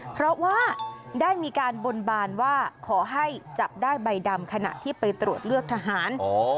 เพราะว่าได้มีการบนบานว่าขอให้จับได้ใบดำขณะที่ไปตรวจเลือกทหาร